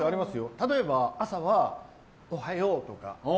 例えば朝はおはようとか。